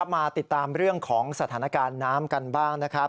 มาติดตามเรื่องของสถานการณ์น้ำกันบ้างนะครับ